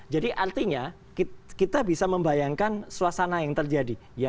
jadi artinya kita bisa membayangkan suasana yang terjadi